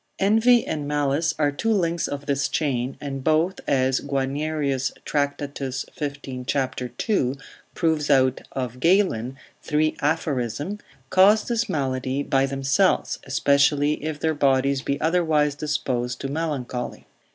Envy and malice are two links of this chain, and both, as Guianerius, Tract. 15. cap. 2, proves out of Galen, 3 Aphorism, com. 22, cause this malady by themselves, especially if their bodies be otherwise disposed to melancholy.